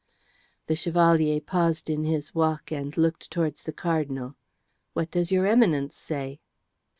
The Chevalier paused in his walk and looked towards the Cardinal. "What does your Eminence say?"